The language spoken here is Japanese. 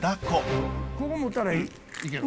ここ持ったらいい？